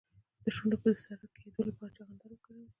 د شونډو د سره کیدو لپاره چغندر وکاروئ